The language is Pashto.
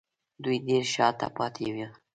دوی ډېر شا ته پاتې وو